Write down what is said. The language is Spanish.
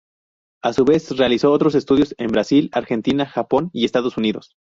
A su vez realizó otros estudios en Brasil, Argentina, Japón y Estados Unidos.